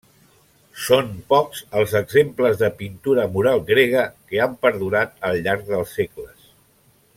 Són pocs els exemples de pintura mural grega que han perdurat al llarg dels segles.